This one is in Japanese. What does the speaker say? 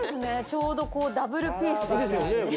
ちょうどこうダブルピースですよ。